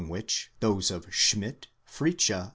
253 which those of Schmidt,! Fritzsche